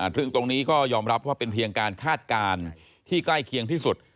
ซึ่งตรงนี้ก็ยอมรับว่าเป็นเพียงการคาดการณ์ที่ใกล้เคียงที่สุด